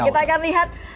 kita akan lihat